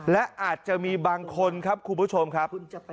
และอาจจะมีบางคนครับคุณผู้ชมครับ